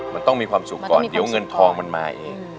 มันต้องมีความสุขก่อนเดี๋ยวเงินทองมันมาเอง